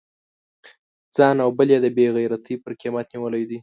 ځان او بل یې د بې غیرتی پر قیمت نیولی دی.